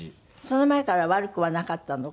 その前から悪くはなかったの？